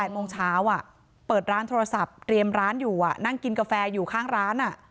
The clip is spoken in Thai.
โมงเช้าเปิดร้านโทรศัพท์เตรียมร้านอยู่นั่งกินกาแฟอยู่ข้างร้าน